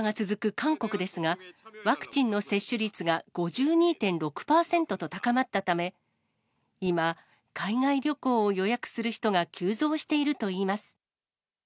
韓国ですが、ワクチンの接種率が５２．６％と高まったため、今、海外旅行を予約する人が急増しているといいます。